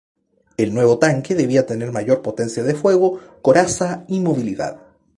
El nuevo tanque debía tener mayor potencia de fuego, coraza y movilidad.